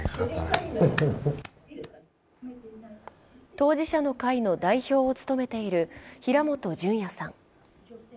当事者の会の代表を務めている平本淳也さん。